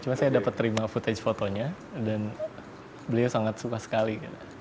cuma saya dapat terima footage fotonya dan beliau sangat suka sekali